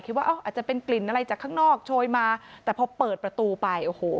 ว่าอาจจะเป็นกลิ่นอะไรจากข้างนอกโชยมาแต่พอเปิดประตูไปโอ้โห